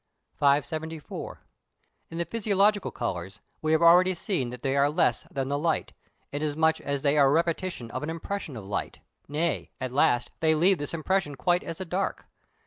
574. In the physiological colours we have already seen that they are less than the light, inasmuch as they are a repetition of an impression of light, nay, at last they leave this impression quite as a dark.